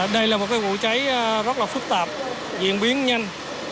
đây là một vụ cháy rất là phức tạp diễn biến nhanh